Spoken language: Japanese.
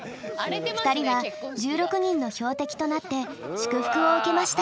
２人は１６人の標的となって祝福を受けました。